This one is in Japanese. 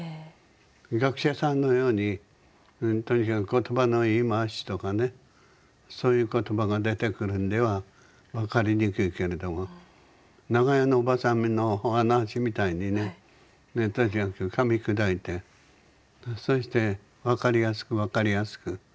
学者さんのようにとにかく言葉の言い回しとかねそういう言葉が出てくるんでは分かりにくいけれども長屋のおばさんのお話みたいにねとにかくかみ砕いてそして分かりやすく分かりやすく。